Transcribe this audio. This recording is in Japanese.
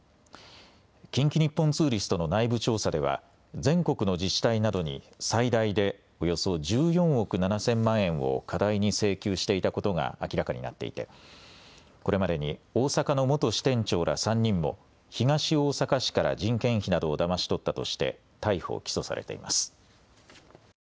近畿日本ツーリストの内部調査では全国の自治体などに最大でおよそ１４億７０００万円を過大に請求していたことが明らかになっていてこれまでに大阪の元支店長ら３人も東大阪市から人件費などをだまし取ったとして逮捕・起訴されています。